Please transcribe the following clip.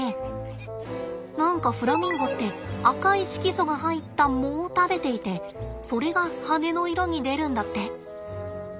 何かフラミンゴって赤い色素が入った藻を食べていてそれが羽の色に出るんだって。